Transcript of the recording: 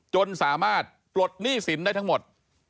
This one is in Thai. จนสามารถปลดหนี้สินได้ทั้งหมด